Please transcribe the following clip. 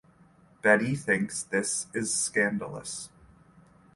Betty thinks this is scandalous.